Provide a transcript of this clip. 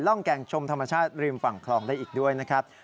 ร่องแก่งชมธรรมชาติริมฝั่งคลองได้อีกด้วยนะครับ